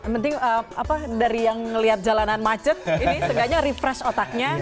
penting apa dari yang melihat jalanan macet ini seganya refresh otaknya